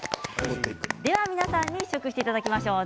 皆さんに試食していただきましょう。